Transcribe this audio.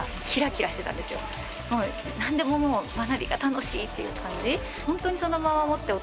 なんでももう学びが楽しい！っていう感じ。